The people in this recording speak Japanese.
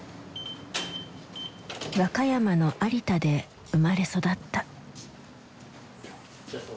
和歌山の有田で生まれ育った。